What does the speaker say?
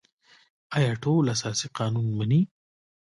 آیا ټول اساسي قانون مني؟